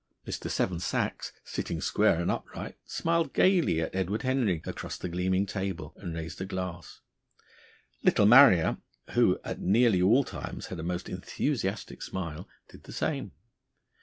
Mr. Seven Sachs, sitting square and upright, smiled gaily at Edward Henry across the gleaming table, and raised a glass. Little Marrier, who at nearly all times had a most enthusiastic smile, did the same.